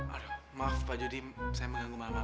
aduh maaf pak jody saya mengganggu malam malam